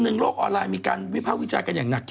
เพราะเป็นกับเธอไอ้ไง